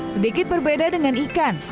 sedikit berbeda dengan ikan